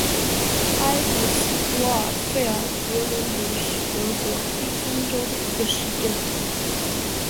埃布斯多尔费尔格伦德是德国黑森州的一个市镇。